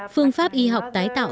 phương pháp y học tái tạo